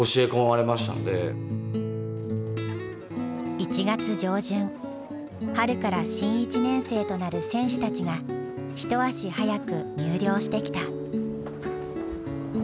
１月上旬春から新１年生となる選手たちが一足早く入寮してきた。